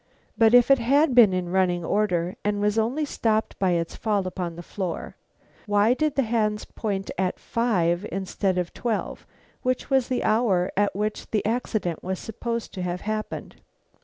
But if it had been in running order and was only stopped by its fall upon the floor, why did the hands point at five instead of twelve which was the hour at which the accident was supposed to have happened?